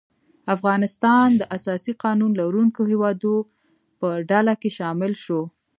افغانستان د اساسي قانون لرونکو هیوادو په ډله کې شامل شو.